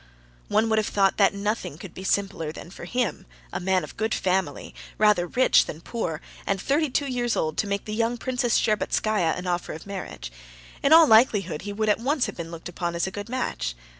One would have thought that nothing could be simpler than for him, a man of good family, rather rich than poor, and thirty two years old, to make the young Princess Shtcherbatskaya an offer of marriage; in all likelihood he would at once have been looked upon as a good match.